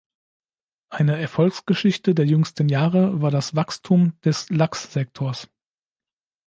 Eine Erfolgsgeschichte der jüngsten Jahre war das Wachstum des Lachssektors.